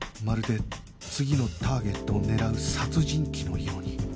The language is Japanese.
まるで次のターゲットを狙う殺人鬼のように